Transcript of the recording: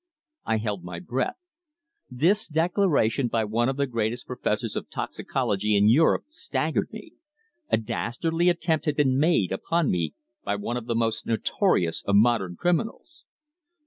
I held my breath. This declaration by one of the greatest professors of toxicology in Europe staggered me. A dastardly attempt had been made upon me by one of the most notorious of modern criminals!